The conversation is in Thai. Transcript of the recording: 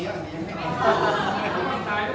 ก็คือเจ้าเม่าคืนนี้